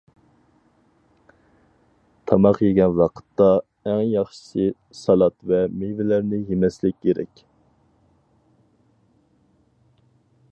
تاماق يېگەن ۋاقىتتا، ئەڭ ياخشىسى سالات ۋە مېۋىلەرنى يېمەسلىك كېرەك.